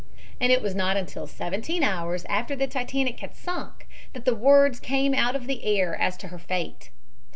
And it was not until seventeen hours after the Titanic had sunk that the words came out of the air as to her fate.